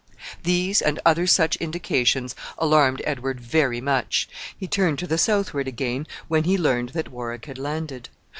These, and other such indications, alarmed Edward very much. He turned to the southward again when he learned that Warwick had landed.